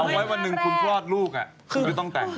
ไว้วันหนึ่งคุณคลอดลูกคุณไม่ต้องแต่ง